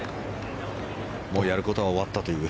もうやることは終わったという。